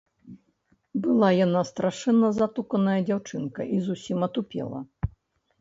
Была яна страшэнна затуканая дзяўчынка і зусім атупела.